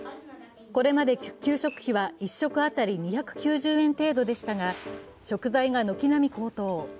これまで給食費は１食あたり２９０円程度でしたが食材が軒並み高騰。